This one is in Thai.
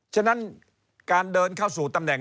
ฉะนั้นการเดินเข้าสู่ตำแหน่ง